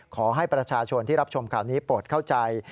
ขอให้ประชาชนที่รับชมข่าวนี้โปรดเข้าใจ